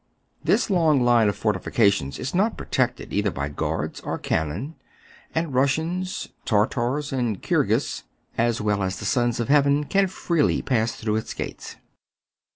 This long line of fortifications is not protected either by guards or cannon ; and Russians, Tar tars, and the Kirghis, as well as the Sons of Heav en, can freely pass through its gates.